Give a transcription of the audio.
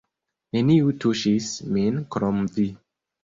Neniu tuŝis min krom vi!